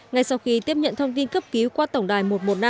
ngay sau khi tiếp nhận thông tin cấp cứu qua tổng đài một một năm